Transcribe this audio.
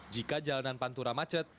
jika jalanan pantura macet